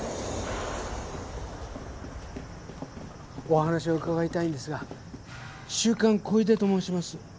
お話を伺いたいんですが週刊小出と申します。